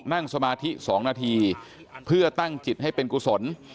นั่งสมาธิ๒นาทีเพื่อตั้งจิตให้เป็นกุศล